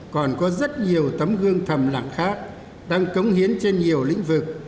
còn có rất nhiều tấm gương thầm lặng khác đang cống hiến trên nhiều lĩnh vực